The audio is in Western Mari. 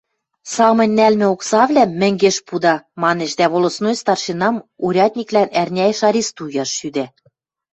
Самынь нӓлмӹ оксавлӓм мӹнгеш пуда... – манеш дӓ волостной старшинам урядниклӓн ӓрняэш арестуяш шӱдӓ: